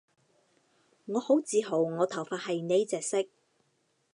我好自豪我頭髮係呢隻色